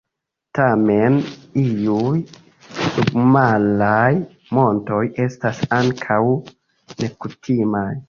Tamen, iuj submaraj montoj estas ankaŭ nekutimaj.